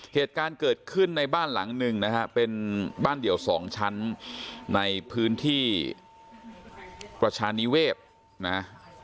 เหตุการณ์เกิดขึ้นในบ้านหลังหนึ่งนะฮะเป็นบ้านเดี่ยวสองชั้นในพื้นที่ประชานิเวศนะ